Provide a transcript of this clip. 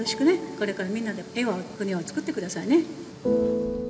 これからみんなで平和な国をつくってくださいね。